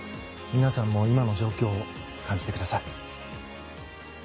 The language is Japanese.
皆さんも今の状況を感じてください。